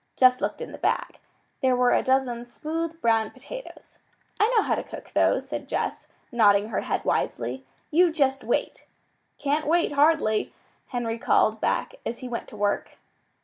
Jess looked in the bag. There were a dozen smooth, brown potatoes. "I know how to cook those," said Jess, nodding her head wisely. "You just wait!" "Can't wait, hardly," Henry called back as he went to work.